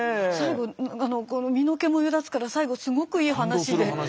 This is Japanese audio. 身の毛もよだつから最後すごくいい話で。